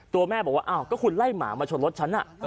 ตัวแม่บอกว่าอ้าวก็คุณไล่หมามาชนรถฉัน